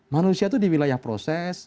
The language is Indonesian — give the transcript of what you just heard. manusia itu di wilayah proses